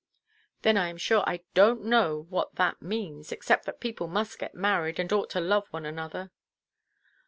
"Then I am sure I donʼt know what that means: except that people must get married, and ought to love one another."